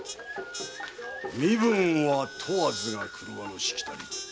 「身分は問わず」が廓のしきたり。